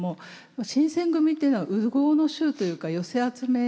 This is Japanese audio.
新選組っていうのは烏合の衆というか寄せ集めなんですよ。